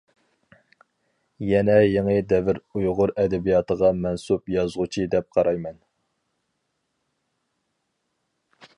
يەنى يېڭى دەۋر ئۇيغۇر ئەدەبىياتىغا مەنسۇپ يازغۇچى دەپ قارايمەن.